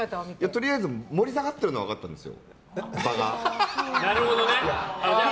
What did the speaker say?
とりあえず盛り下がっているのは分かったんですよ、場が。